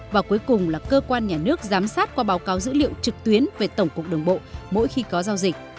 và cuối cùng là cơ quan nhà nước giám sát qua báo cáo dữ liệu trực tuyến về tổng cục đường bộ mỗi khi có giao dịch